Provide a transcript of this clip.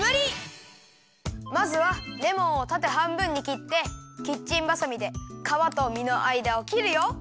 まずはレモンをたてはんぶんにきってキッチンばさみでかわとみのあいだをきるよ。